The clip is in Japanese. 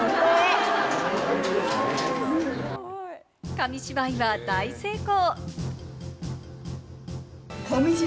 紙芝居は大成功！